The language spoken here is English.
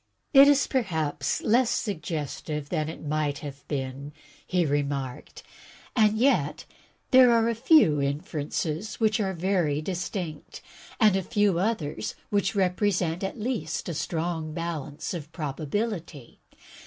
" It is perhaps less suggestive than THE RATIONALE OF RATIOCINATION II5 it might have been," he remarked, "and yet there are a few infer ences which are very distinct, and a few others which represent at least a strong balance of probability.